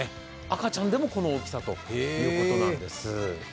赤ちゃんでもこの大きさということなんです。